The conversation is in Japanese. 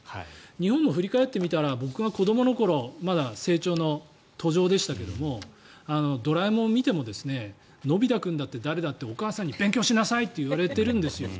日本も振り返ってみたら僕が子どもの頃まだ成長の途上でしたけど「ドラえもん」を見てものび太くんだって誰だってお母さんに勉強しなさい！って言われてるんですよ。